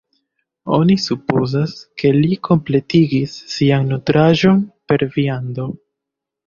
Oni supozas, ke li kompletigis sian nutraĵon per viando.